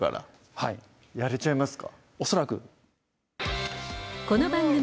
はいやれちゃいますか？